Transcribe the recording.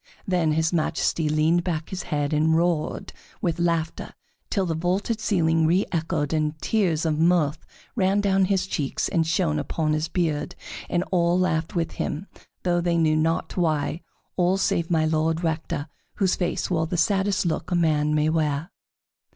Then his Majesty leaned back his head and roared with laughter till the vaulted ceiling reëchoed, and tears of mirth ran down his cheeks and shone upon his beard, and all laughed with him, though they knew not why, all save My Lord Rector, whose face wore the saddest look a man may wear.